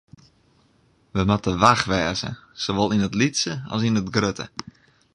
Wy moatte wach wêze, sawol yn it lytse as yn it grutte.